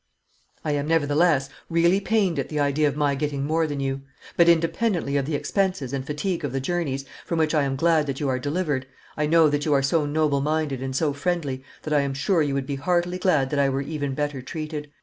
I am, nevertheless, really pained at the idea of my getting more than you. But, independently of the expenses and fatigue of the journeys, from which I am glad that you are delivered, I know that you are so noble minded and so friendly, that I am sure you would be heartily glad that I were even better treated.